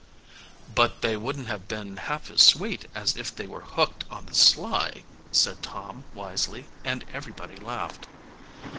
"But they wouldn't have been half as sweet as if they were hooked on the sly," said Tom wisely, and everybody laughed.